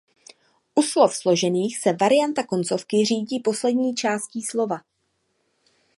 U slov složených se varianta koncovky řídí poslední částí slova.